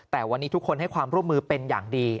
แต่วันนี้ทุกคนให้ความร่วมมือเป็นอย่างดี